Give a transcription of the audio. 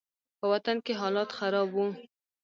په وطن کښې حالات خراب وو.